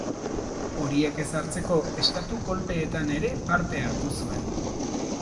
Horiek ezartzeko estatu-kolpeetan ere parte hartu zuen.